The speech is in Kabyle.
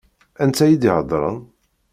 Anta i d-iheddṛen?